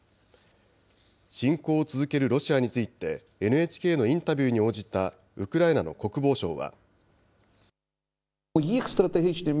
侵攻を続けるロシアについて、ＮＨＫのインタビューに応じたウクライナの国防相は。